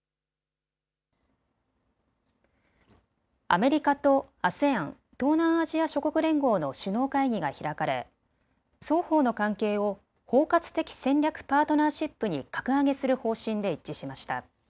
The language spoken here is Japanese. アメリカとＡＳＥＡＮ・東南アジア諸国連合の首脳会議が開かれ双方の関係を包括的戦略パートナーシップに格上げする方針で一致しました。